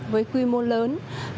với quy mô lớn